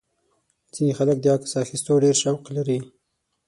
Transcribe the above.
ځینې خلک د عکس اخیستلو ډېر شوق لري.